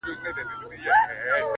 زما په سترگو كي را رسم كړي،